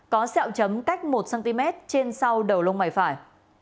có xẹo chấm cách một cm trên sau đầu lông mảy phải